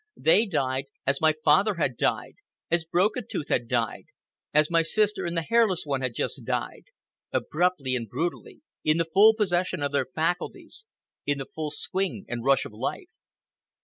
They died as my father had died, as Broken Tooth had died, as my sister and the Hairless One had just died—abruptly and brutally, in the full possession of their faculties, in the full swing and rush of life.